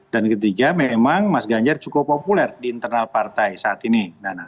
dan ketiga memang mas ganjar cukup populer di internal partai saat ini